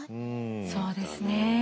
そうですね。